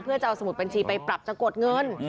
เพื่อจะเอาสมุดบัญชีไปปรับจะกดเงิน